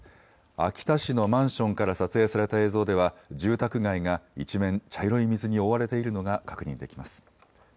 秋田市のマンションから撮影された映像では住宅街が一面茶色い水に覆われているのが確認できます。